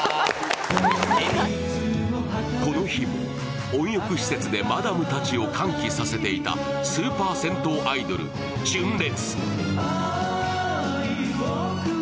この日、温浴施設でマダムたちを歓喜させていたスーパー銭湯アイドル、純烈。